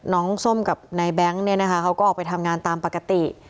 ส้มกับนายแบงค์เนี่ยนะคะเขาก็ออกไปทำงานตามปกติ